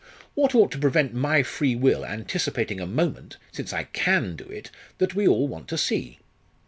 What ought to prevent my free will anticipating a moment since I can do it that we all want to see?"